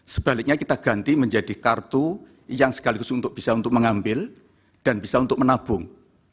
sebaliknya kita ganti menjadi kartu yang sekaligus untuk bisa untuk mengambil dan bisa untuk menabung